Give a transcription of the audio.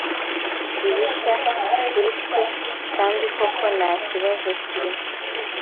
si bishya kuri twe kandi koko nta kibazo kirimo”